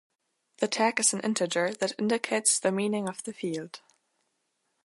The tag is an integer that indicates the meaning of the field.